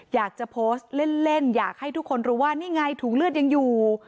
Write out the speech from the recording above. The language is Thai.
อยากจะโพสต์เล่นอยากให้ทุกคนรู้ว่านี่ไงถุงเลือดยังอยู่